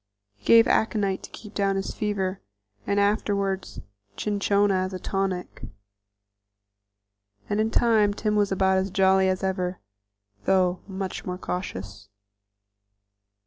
He gave aconite to keep down his fever, and afterward cinchona as a tonic, and in time Tim was about as jolly as ever, though much more cautious.